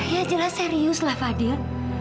ya jelas serius lah fadil